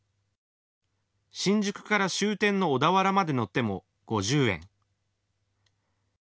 新宿から終点の小田原まで乗っても５０円。